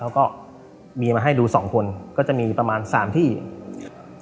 เขาก็มีมาให้ดูสองคนก็จะมีประมาณสามที่